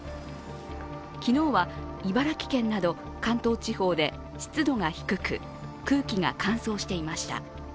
昨日は茨城県など関東地方で湿度が低く空気が乾燥していました。